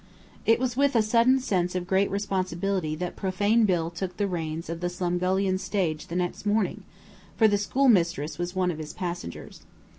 It was with a sudden sense of great responsibility that Profane Bill took the reins of the Slumgullion Stage the next morning, for the schoolmistress was one of his passengers.